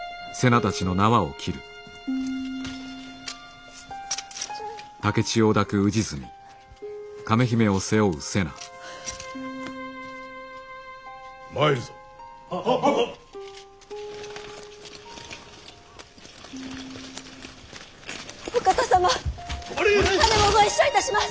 たねもご一緒いたします！